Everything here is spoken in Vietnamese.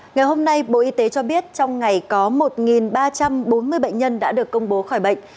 ngày hôm nay bộ y tế cho biết trong ngày có một ba trăm bốn mươi bệnh nhân đã được công bố khỏi bệnh